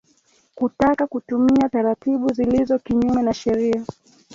kutaka kutumia taratibu zilizo kinyume na sheria